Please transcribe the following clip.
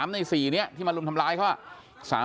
ใน๔นี้ที่มารุมทำร้ายเขา